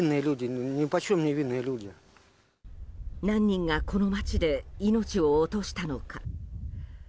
何人がこの街で命を落としたのか。